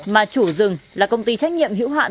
mà chủ rừng là công ty trách nhiệm hữu hạn